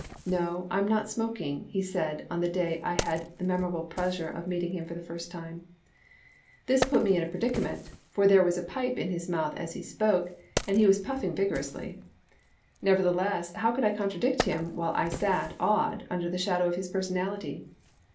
'No, I'm not smoking,' he said on the day I had the mem orable pleasure of meeting him for the first time. Digitized by VjOOQ IC 5. A. JSartfe. zxrii This put me in a predicament, for there was a pipe in his mouth as he spoke, and he was puffing vigorously. Nevertheless, how could I contradict him while I sat, awed, under the shadow of his personality?